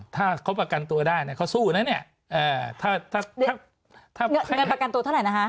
ถ้าเขาประกันตัวได้เนี่ยเขาสู้นะเนี่ยถ้าเงินประกันตัวเท่าไหร่นะคะ